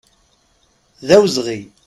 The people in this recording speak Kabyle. D awezɣi!